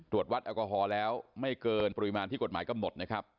วัดแอลกอฮอล์แล้วไม่เกินปริมาณที่กฎหมายกำหนดนะครับ